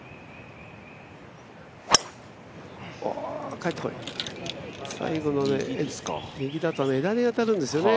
帰ってこい、最後、右だと枝に当たるんですね。